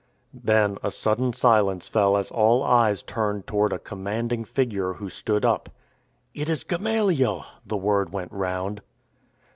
Then a sudden silence fell as all eyes turned toward a commanding figure who stood up. " It is Gamaliel," the word went round.